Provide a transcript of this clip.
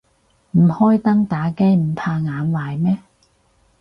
唔開燈打機唔怕壞眼咩